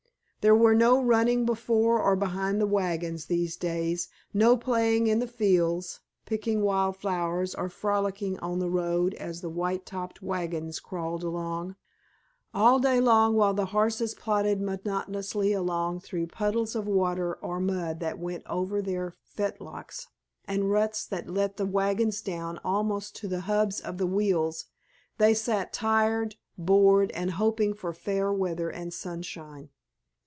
There was no running before or behind the wagons these days, no playing in the fields, picking wild flowers or frolicking on the road as the white topped wagons crawled along; all day long while the horses plodded monotonously along through puddles of water or mud that went over their fetlocks and ruts that let the wagons down almost to the hubs of the wheels, they sat tired, bored, and hoping for fair weather and sunshine.